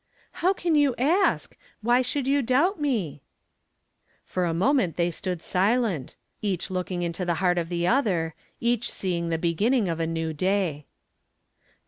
"How can you ask? Why should you doubt me?" For a moment they stood silent, each looking into the heart of the other, each seeing the beginning of a new day.